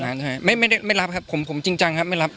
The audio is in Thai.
ร้านไม่รับครับผมจริงจังไม่รับ